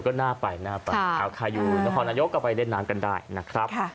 เออก็น่าไปน่าไปเอาคายูแล้วพอนายกกลับไปเล่นน้ำกันได้นะครับ